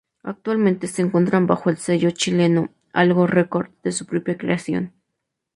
Actualmente se encuentran bajo el sello chileno Algo Records, de su propia creación.